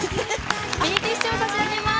ミニティッシュ差し上げます。